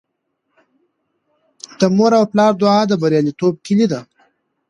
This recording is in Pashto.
د مور او پلار دعا د بریالیتوب کیلي ده.